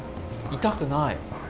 痛くない。